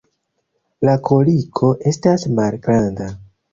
La kaliko estas malgranda.